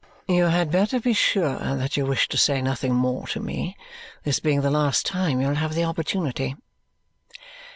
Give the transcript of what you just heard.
"You had better be sure that you wish to say nothing more to me, this being the last time you will have the opportunity."